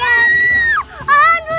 alhamdulillah allah hidup